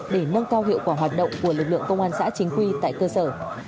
để nâng cao hiệu quả hoạt động của lực lượng công an xã chính quy tại cơ sở